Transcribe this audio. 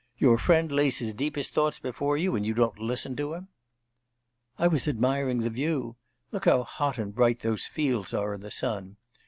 'Your friend lays his deepest thoughts before you, and you don't listen to him.' 'I was admiring the view. Look how hot and bright those fields are in the sun.